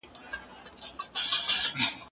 ایا واړه پلورونکي وچ زردالو صادروي؟